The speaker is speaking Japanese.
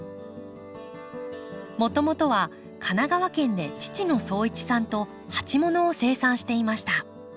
もともとは神奈川県で父の総一さんと鉢物を生産していました。